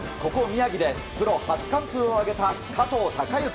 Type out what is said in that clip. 宮城でプロ初完封を挙げた加藤貴之。